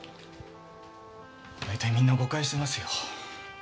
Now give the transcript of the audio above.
大体みんな誤解してますよ。